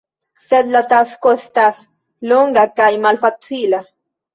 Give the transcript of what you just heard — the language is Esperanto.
Sed la tasko estas longa kaj malfacila.